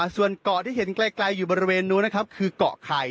ส่วนเกาะที่เห็นไกลอยู่บริเวณนู้นนะครับคือเกาะไข่